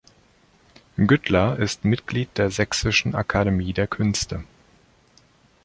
Güttler ist Mitglied der Sächsischen Akademie der Künste.